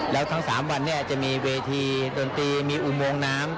แล้วทั้ง๓วันจะมีเวทีดนตรีมีอุโมงน้ำ